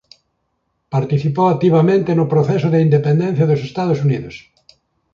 Participou activamente no proceso de independencia dos Estados Unidos.